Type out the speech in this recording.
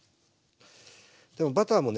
でもバターもね